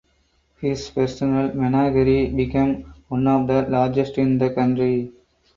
His personal menagerie became one of the largest in the country.